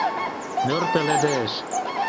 Мӧр пеледеш.